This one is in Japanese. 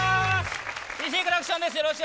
ＴＣクラクションです。